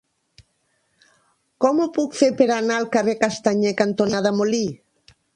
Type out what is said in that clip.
Com ho puc fer per anar al carrer Castanyer cantonada Molí?